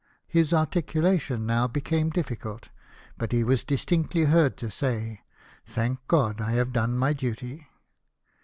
His articulation now became difficult, but he was distinctly heard to say, " Thank God, I have done my duty